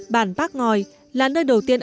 bản bắc ngòi là nơi đầu tiên